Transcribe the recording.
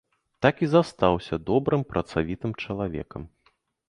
Так і застаўся добрым працавітым чалавекам.